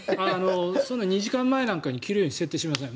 ２時間前なんかに切るように設定していません。